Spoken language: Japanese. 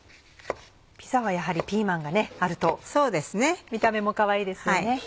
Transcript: ピザはやはりピーマンがあると見た目もかわいいですよね。